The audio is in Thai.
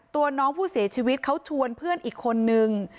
ตัวน้องผู้เสียชีวิตเขาชวนเพื่อนอีกคนนึง